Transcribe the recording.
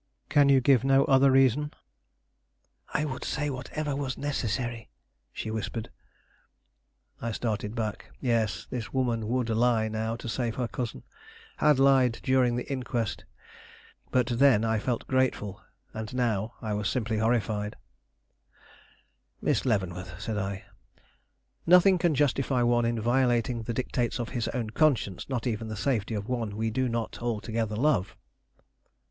"Can you give no other reason?" "I would say whatever was necessary," she whispered. I started back. Yes, this woman would lie now to save her cousin; had lied during the inquest. But then I felt grateful, and now I was simply horrified. "Miss Leavenworth," said I, "nothing can justify one in violating the dictates of his own conscience, not even the safety of one we do not altogether love."